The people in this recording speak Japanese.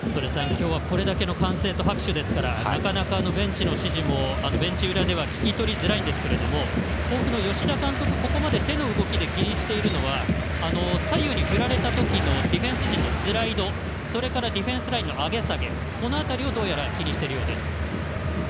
今日はこれだけの歓声と拍手ですからなかなかベンチの指示はベンチ裏からは聞き取りづらいんですけど甲府の吉田監督はここまで手の動きで気にしているのは左右に振られた時のディフェンス陣のスライドそれからディフェンスラインの上げ下げ、この辺りを気にしているようです。